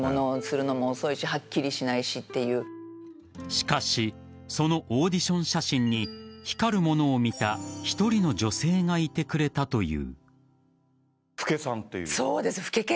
しかしそのオーディション写真に光るものを見た１人の女性がいてくれたという。